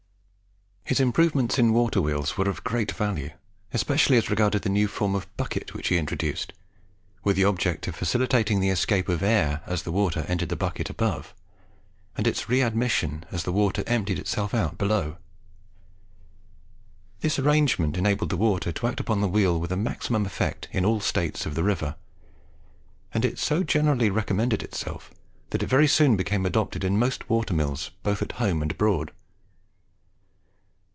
His improvements in water wheels were of great value, especially as regarded the new form of bucket which he introduced with the object of facilitating the escape of the air as the water entered the bucket above, and its readmission as the water emptied itself out below. This arrangement enabled the water to act upon the wheel with the maximum of effect in all states of the river; and it so generally recommended itself, that it very soon became adopted in most water mills both at home and abroad.